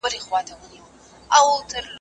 د اوبو څښل د وجود تودوخه برابروي.